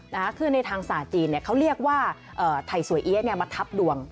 นะคะคือในทางศาสตร์จีนเนี่ยเขาเรียกว่าเอ่อไถ่สวยเอี๊ยเนี่ยมาทับดวง